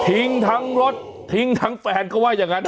ทั้งรถทิ้งทั้งแฟนเขาว่าอย่างนั้น